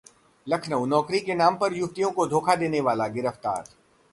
लखनऊ: नौकरी के नाम पर युवतियों धोखा देने वाला गिरफ्तार